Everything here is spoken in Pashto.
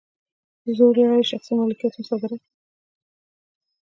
د زور له لارې یې شخصي مالکیت مصادره کړ.